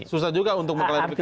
susah juga untuk mengklarifikasi